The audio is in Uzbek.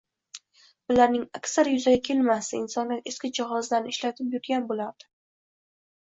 bularning aksari yuzaga kelmasdi – insoniyat eski jihozlarni ishlatib yurgan bo‘lardi.